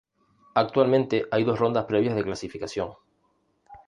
Actualmente hay dos rondas previas de clasificación.